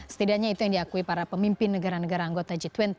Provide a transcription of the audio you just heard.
setidaknya itu yang diakui para pemimpin negara negara anggota g dua puluh